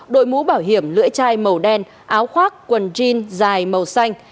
đội mũ bảo hiểm lưỡi chai màu đen áo khoác quần jean dài màu xanh